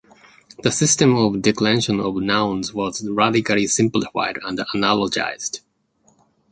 The system of declension of nouns was radically simplified and analogized.